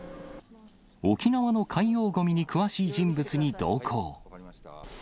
沖縄の海洋ごみに詳しい人物に同行。